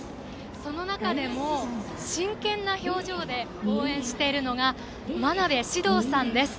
その中でも真剣な表情で応援しているのが真鍋至憧さんです。